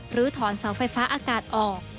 หรือถอนเสาไฟฟ้าอากาศออก